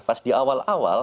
pas di awal awal